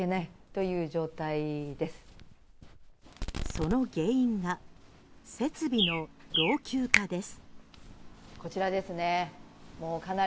その原因が設備の老朽化です。